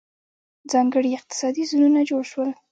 ځانګړي اقتصادي زونونه جوړ شول.